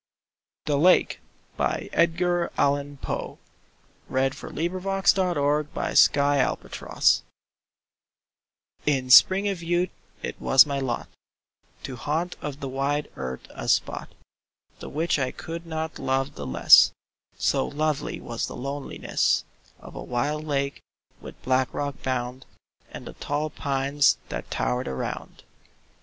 Have brought a specimen Upon their quivering wings. 1831. THE LAKE —— TO—— In spring of youth it was my lot To haunt of the wide earth a spot The which I could not love the less— So lovely was the loneliness Of a wild lake, with black rock bound, And the tall pines that tower'd around.